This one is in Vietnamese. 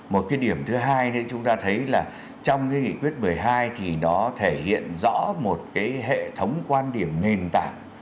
một cái điểm thứ hai chúng ta thấy là trong nghị quyết một mươi hai thì nó thể hiện rõ một hệ thống quan điểm nền tảng